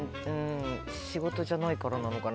仕事じゃないからなのかな。